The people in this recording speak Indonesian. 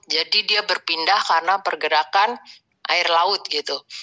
jadi dia berpindah karena pergerakan air laut gitu